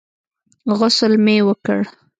غسل مې وکړ.